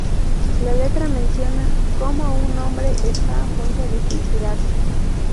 La letra menciona cómo un hombre está a punto de suicidarse.